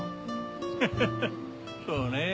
ハハハそうね。